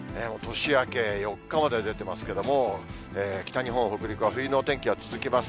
年明け４日まで出てますけども、北日本、北陸は冬のお天気が続きます。